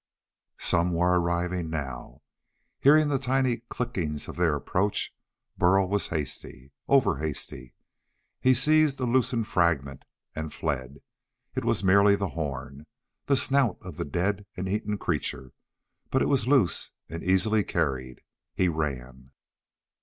Some were arriving now. Hearing the tiny clickings of their approach, Burl was hasty. Over hasty. He seized a loosened fragment and fled. It was merely the horn, the snout of the dead and eaten creature. But it was loose and easily carried. He ran.